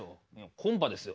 コンパですよ。